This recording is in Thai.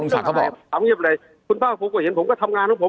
ถ้าคุณภาพเพิกก็เห็นผมก็ทำงานของผม